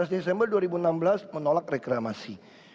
dua belas desember dua ribu enam belas menolak reklamasi